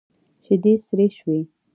شيدې سرې شوې.